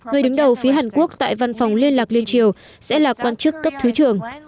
người đứng đầu phía hàn quốc tại văn phòng liên lạc liên triều sẽ là quan chức cấp thứ trưởng